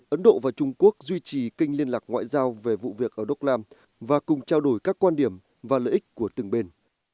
ấn độ và trung quốc duy trì kênh liên lạc ngoại giao về vụ việc ở doklam và cùng trao đổi các quan điểm và lợi ích của từng bên